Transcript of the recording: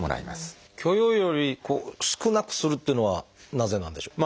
許容量より少なくするっていうのはなぜなんでしょう？